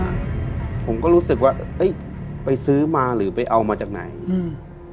ผมก็รู้สึกว่าเอ้ยไปซื้อมาหรือไปเอามาจากไหนอืม